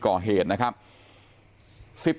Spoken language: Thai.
ก่อเหตุนะครับ